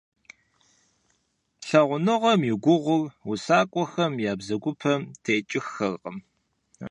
Лъагъуныгъэм и гугъур усакӀуэхэм я бзэгупэм текӀыххэркъым.